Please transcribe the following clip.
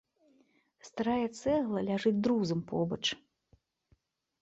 Старая цэгла ляжыць друзам побач.